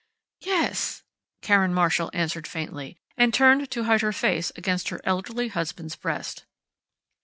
"Yes," Karen Marshall answered faintly, and turned to hide her face against her elderly husband's breast.